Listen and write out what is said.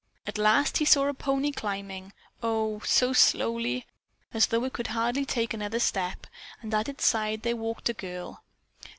At last he saw a pony climbing, oh, so slowly, as though it could hardly take another step; and at its side there walked a girl.